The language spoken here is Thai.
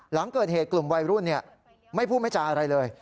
หลังเกิดเหตุกลุ่มวัยรุ่นไม่พูดไม่จาอะไรเลย